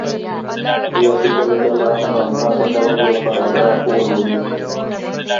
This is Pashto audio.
بیا دې بله ډله هم په هماغه ډول یو پاراګراف ولولي.